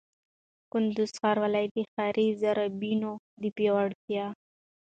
کندهار ښاروالۍ د ښاري زېربناوو د پياوړتيا